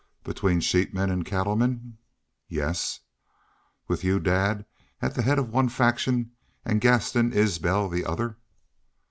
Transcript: "Between sheepmen and cattlemen?" "Yes." "With y'u, dad, at the haid of one faction and Gaston Isbel the other?"